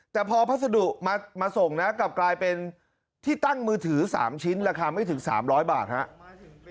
แต่พอพัสดุมาส่งนะกลับกลายเป็นที่ตั้งมือถือ๓ชิ้นราคาไม่ถึง๓๐๐บาทครับ